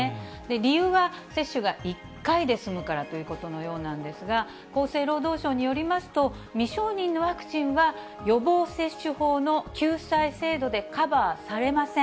理由は、接種が１回で済むからということのようなんですが、厚生労働省によりますと、未承認のワクチンは、予防接種法の救済制度でカバーされません。